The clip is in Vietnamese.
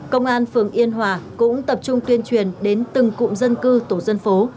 công an phường yên hòa cũng tập trung tuyên truyền đến từng cụm dân cư tổ dân phố